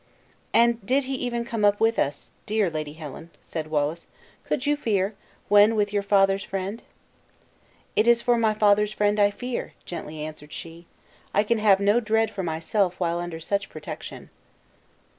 "And did he even come up with us, dear Lady Helen," said Wallace, "could you fear, when with your father's friend?" "It is for my father's friend I fear," gently answered she; "I can have no dread for myself while under such protection."